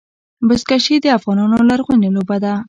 بزکشي د افغانانو لرغونې لوبه ده.